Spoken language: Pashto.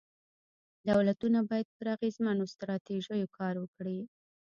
دولتونه باید پر اغېزمنو ستراتیژیو کار وکړي.